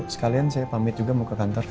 sekalian saya pamit juga mau ke kantor